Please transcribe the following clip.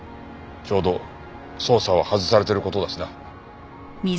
ちょうど捜査を外されてる事だしな。